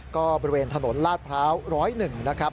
ก็บริเวณถนนลาดพร้าว๑๐๑นะครับ